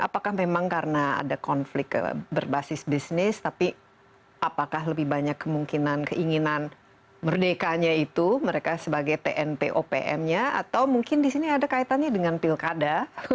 apakah memang karena ada konflik berbasis bisnis tapi apakah lebih banyak kemungkinan keinginan merdekanya itu mereka sebagai tnpopm nya atau mungkin di sini ada kaitannya dengan pilkada